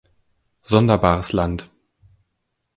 Sonderbares Land!